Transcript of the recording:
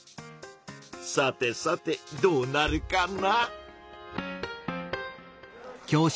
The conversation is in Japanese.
さてさてどうなるかな？